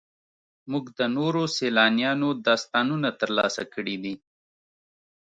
موږ د نورو سیلانیانو داستانونه ترلاسه کړي دي.